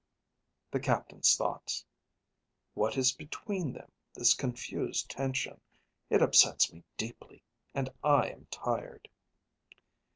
_ _The captain's thoughts: What is between them, this confused tension. It upsets me deeply, and I am tired.